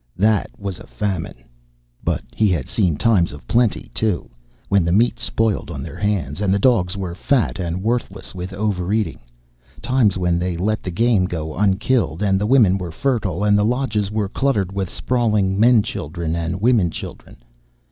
That was a famine! But he had seen times of plenty, too, when the meat spoiled on their hands, and the dogs were fat and worthless with overeating times when they let the game go unkilled, and the women were fertile, and the lodges were cluttered with sprawling men children and women children.